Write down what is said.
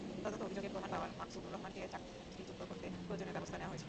তদন্তে অভিযোগের প্রমাণ পাওয়ায় মাকসুদুর রহমানকে চাকরিচ্যুত করতে প্রয়োজনীয় ব্যবস্থা নেওয়া হয়েছে।